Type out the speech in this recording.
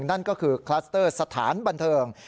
นั่นก็คือคลัสเตอร์สถานบันเทิง